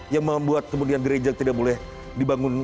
yang membuat kemudian gereja tidak boleh dibangun